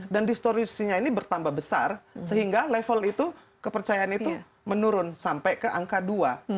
distorisinya ini bertambah besar sehingga level itu kepercayaan itu menurun sampai ke angka dua